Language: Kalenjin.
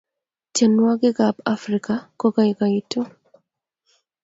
tienwokik ap afrika kokaikaito